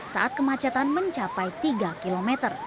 saat kemacetan mencapai tiga km